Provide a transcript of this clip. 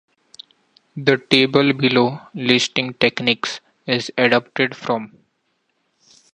The table below, listing techniques, is adapted from.